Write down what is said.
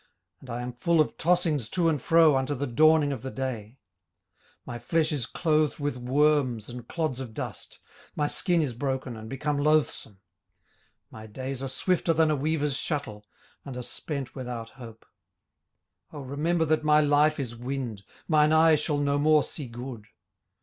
and I am full of tossings to and fro unto the dawning of the day. 18:007:005 My flesh is clothed with worms and clods of dust; my skin is broken, and become loathsome. 18:007:006 My days are swifter than a weaver's shuttle, and are spent without hope. 18:007:007 O remember that my life is wind: mine eye shall no more see good.